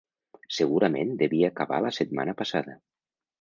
Segurament devia acabar la setmana passada.